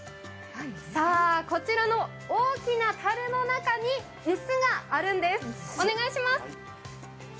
こちらの大きなたるの中に「ンス」があるんです。